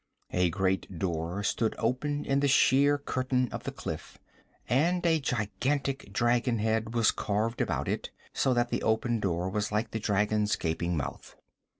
A great door stood open in the sheer curtain of the cliff, and a gigantic dragon head was carved about it so that the open door was like the dragon's gaping mouth.